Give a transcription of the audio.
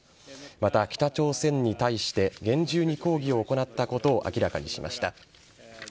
また、北朝鮮に対して厳重に抗議を行ったことを明らかにしました。